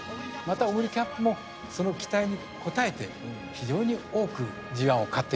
またオグリキャップもその期待に応えて非常に多くＧⅠを勝ってきましたね。